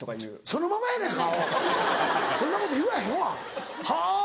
そのままやないかアホそんなこと言わへんわはぁ。